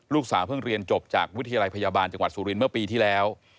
ลูกสาวเพิ่งเรียนจบจากวิทยาลัยพยาบาลจังหวัดสุรินทร์เมื่อปีที่แล้ว